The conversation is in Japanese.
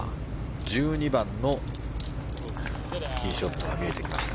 １２番のティーショットが見えてきました。